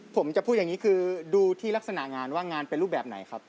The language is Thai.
ผมจะพูดอย่างนี้คือดูที่ลักษณะงานว่างานเป็นรูปแบบไหนครับ